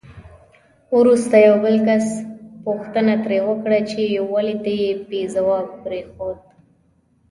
وروسته یو بل کس پوښتنه ترې وکړه چې ولې دې بې ځوابه پرېښود؟